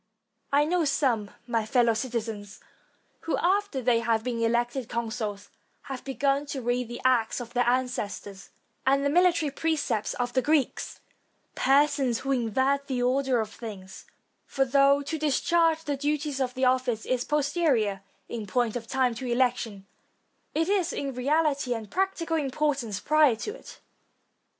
I know some, my fellow citizens, who, after they have been elected consuls, have begun to read the acts of their ancestors, and the military precepts of the Greeks; persons who invert the order of things; for though to discharge the duties of the office is posterior in point of time to election, it is in reality and practical importance prior to it.